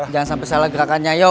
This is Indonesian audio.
jangan sampai salah gerakannya